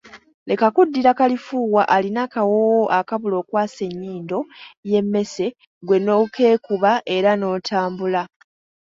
Leka kuddira kalifuuwa alina akawoowo akabula okwasa ennyindo y’emmese ggwe n’okeekuba era n’otambula!